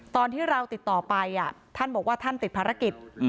ตอนที่เราติดต่อไปท่านบอกว่าท่านติดภารกิจ